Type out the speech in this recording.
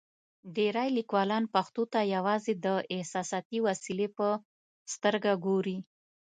ډېری لیکوالان پښتو ته یوازې د احساساتي وسیلې په سترګه ګوري.